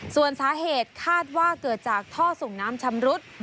ส่วนสาเหตุคาดว่าเกิดจากท่อส่งน้ำชำรุด